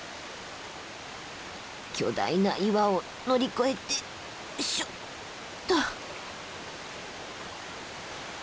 巨大な岩を乗り越えてよいしょっと。